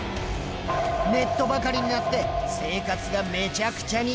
ネットばかりになって生活がめちゃくちゃに！